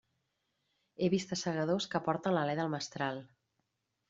He vist assagadors que porten l'alé del mestral.